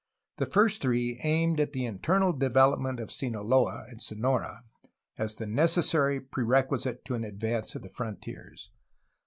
The first three aimed at the internal development of Sinaloa and Sonora as the necessary prerequisite to an advance of the frontiers.